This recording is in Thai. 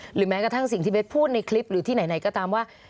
หรือแม้กระทั่งสิ่งที่เบสพูดในคลิปหรือที่ไหนก็ตามว่า